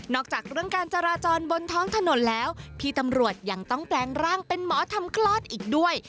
จากเรื่องการจราจรบนท้องถนนแล้วพี่ตำรวจยังต้องแปลงร่างเป็นหมอทำคลอดอีกด้วย